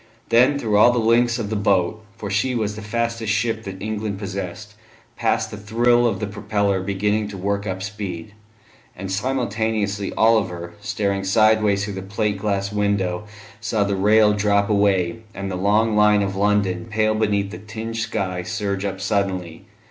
Then through all the length of the boat for she was the fastest ship that England possessed passed the thrill of the propeller beginning to work up speed; and simultaneously Oliver, staring sideways through the plate glass window, saw the rail drop away, and the long line of London, pale beneath the tinged sky, surge up suddenly.